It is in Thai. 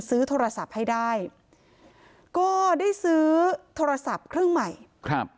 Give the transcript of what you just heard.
ซื้อโทรศัพท์ให้ได้ก็ได้ซื้อโทรศัพท์เครื่องใหม่ครับ